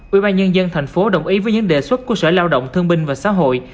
ubnd tp hcm đồng ý với những đề xuất của sở lao động thương binh và xã hội